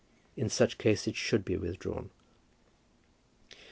In such case it should be withdrawn.